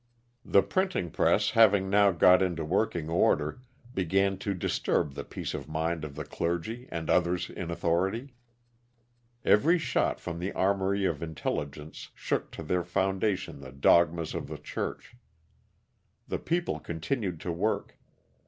The printing press having now got into working order, began to disturb the peace of mind of the clergy and others in authority. Every shot from the armory of intelligence shook to their foundation the dogmas of the Church. The people continued to work.